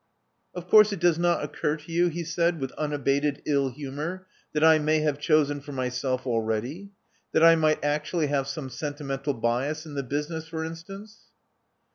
Of course it does not occur to you," he said, with unabated ill humor, "that I may have chosen for my self already — that I might actually have some senti mental bias in the business, for instance.